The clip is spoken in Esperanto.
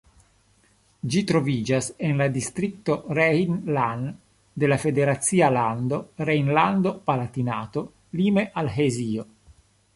Ĝi troviĝas en la distrikto Rhein-Lahn de la federacia lando Rejnlando-Palatinato, lime al Hesio.